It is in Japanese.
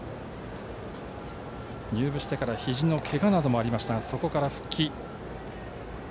入部してからひじのけがなどもありましたがそこから復帰。